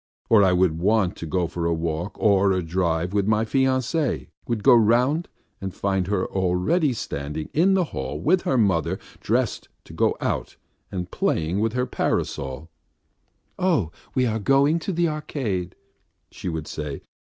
Or I would want to go for a walk or a drive with my fiancée, would go round and find her already standing in the hall with her mother, dressed to go out and playing with her parasol. "Oh, we are going to the Arcade," she would say.